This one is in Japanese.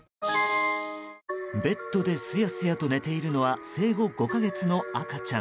ベッドですやすやと眠っているのは生後５か月の赤ちゃん。